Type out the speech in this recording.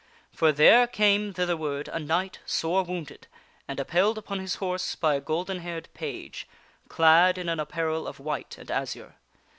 For there came thither ward a knight, sore wounded, and upheld upon his horse by a golden haired page, clad in an apparel of white and azure.